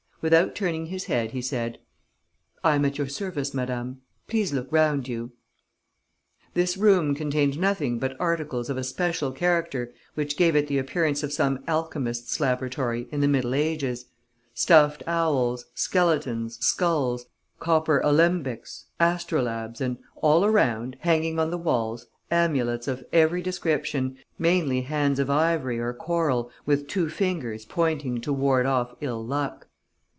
Without turning his head, he said: "I am at your service, madam.... Please look round you...." This room contained nothing but articles of a special character which gave it the appearance of some alchemist's laboratory in the middle ages: stuffed owls, skeletons, skulls, copper alembics, astrolabes and all around, hanging on the walls, amulets of every description, mainly hands of ivory or coral with two fingers pointing to ward off ill luck.